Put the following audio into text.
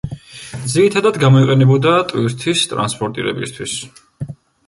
ძირითადად გამოიყენებოდა ტვირთის ტრანსპორტირებისთვის.